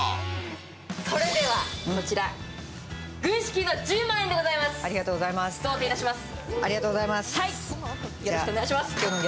それではこちら、軍資金の１０万円でございます、贈呈いたします。